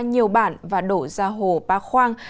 nhiều bản và đổ ra hồ ba khoang